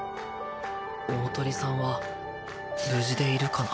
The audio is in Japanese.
鳳さんは無事でいるかな？